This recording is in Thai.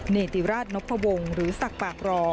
เนติราชนพวงหรือศักดิ์ปากรอ